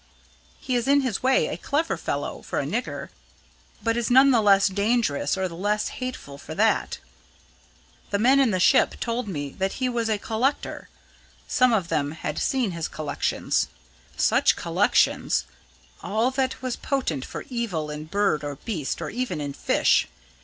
He is in his way a clever fellow for a nigger; but is none the less dangerous or the less hateful for that. The men in the ship told me that he was a collector: some of them had seen his collections. Such collections! All that was potent for evil in bird or beast, or even in fish.